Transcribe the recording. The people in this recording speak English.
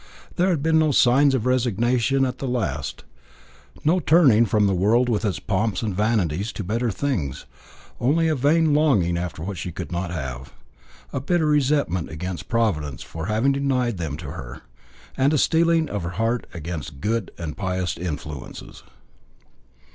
There had been no signs of resignation at the last; no turning from the world with its pomps and vanities to better things, only a vain longing after what she could not have; a bitter resentment against Providence for having denied them to her; and a steeling of her heart against good and pious influences.